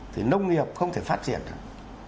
thì nông nghiệp không thể phát triển được